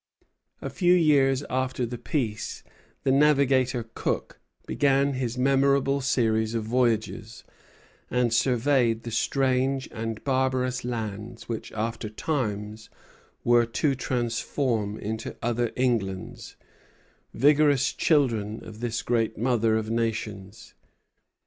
A few years after the Peace the navigator Cook began his memorable series of voyages, and surveyed the strange and barbarous lands which after times were to transform into other Englands, vigorous children of this great mother of nations.